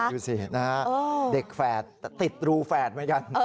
อยู่สินะครับเด็กแฝดติดรูแฝดมากัน